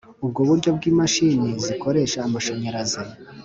ubwo buryo bw imashini zikoresha amashanyarazi